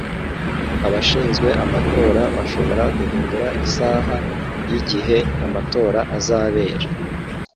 Abashinzwe amatora bashobora guhindura isaha yigihe amatora azabera